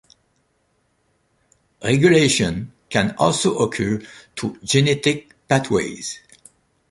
Regulation can also occur through genetic pathways.